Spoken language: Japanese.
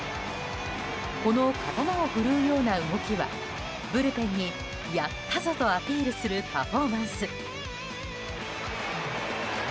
この刀を振るうような動きはブルペンにやったぞとアピールするパフォーマンス。